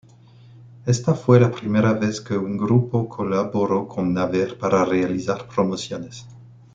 Esta fue la primera vez que un grupo colaboró con Naver para realizar promociones.